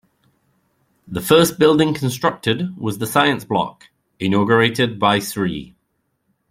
The first building constructed was the science block, inaugurated by Sri.